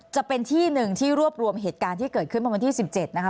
จะเป็นที่หนึ่งที่รวบรวมเหตุการณ์ที่เกิดขึ้นมาวันที่๑๗นะคะ